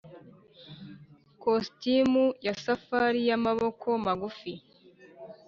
kositimu ya safari y'amaboko magufi,